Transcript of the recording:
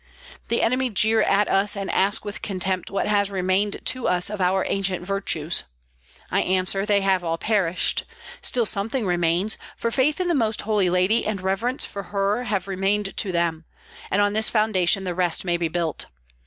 The enemy jeer at us and ask with contempt what has remained to us of our ancient virtues. I answer they have all perished; still something remains, for faith in the Most Holy Lady and reverence for Her have remained to them, and on this foundation the rest may be built.